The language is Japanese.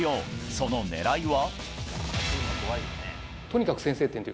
その狙いは。